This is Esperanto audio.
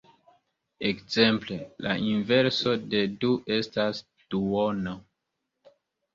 Ekzemple: La inverso de du estas duono.